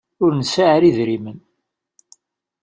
Ur nesɛa ara idrimen.